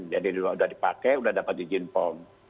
jadi udah dipakai udah dapat izin pom